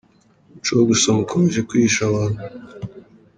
Umuco wo gusoma ukomeje kwihisha abantu.